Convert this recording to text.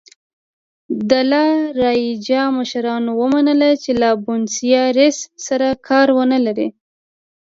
د لا رایجا مشرانو ومنله چې له بونیسایرس سره کار نه لري.